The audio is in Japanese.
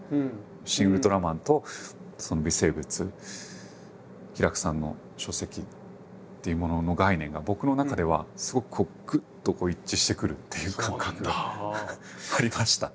「シン・ウルトラマン」と微生物ヒラクさんの書籍っていうものの概念が僕の中ではすごくぐっと一致してくるっていう感覚がありました。